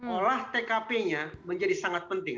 olah tkp nya menjadi sangat penting